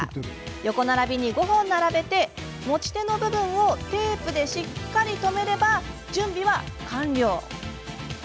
横並びに５本並べて持ち手の部分をテープでしっかり留めれば準備は完了。